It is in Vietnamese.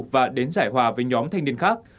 và đến giải hòa với nhóm thanh niên khác